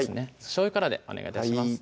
しょうゆからでお願い致します